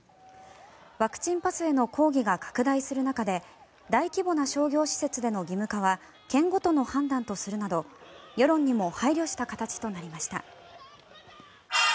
ワクチンパスへの抗議が拡大する中で大規模な商業施設での義務化は県ごとの判断とするなど世論にも配慮した形となりました。